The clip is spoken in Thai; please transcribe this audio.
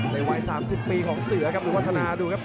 วัย๓๐ปีของเสือครับหรือวัฒนาดูครับ